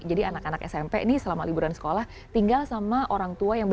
jadi anak anak smp ini selama liburan sekolah tinggal sama orang tua yang beda